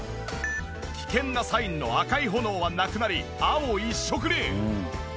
危険なサインの赤い炎はなくなり青一色に！